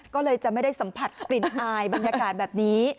ก็เลยจะไม่ได้สัมผัสกลิ่นอายบรรยากาศแบบนี้